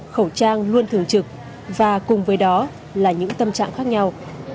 khẩu trang luôn thường trực và cùng với đó là những tâm trạng khác nhau